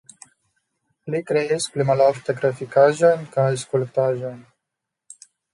Li kreis pli malofte grafikaĵojn kaj skulptaĵojn.